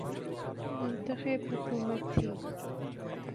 منتخب حکومت تھی۔